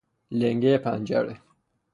لنگه پنجره